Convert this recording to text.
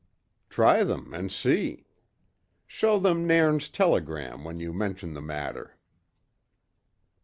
"Try them, and see. Show them Nairn's telegram when you mention the matter."